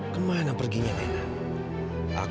kemana perginya nenek